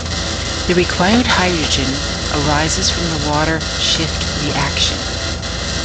The required hydrogen arises from the water shift reaction.